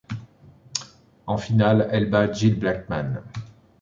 En finale, elle bat Jill Blackman.